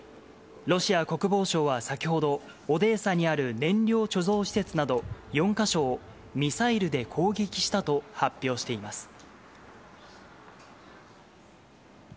ロシア国防省は先ほど、オデーサにある燃料貯蔵施設など４か所を、ミサイルで攻撃したと発表しています。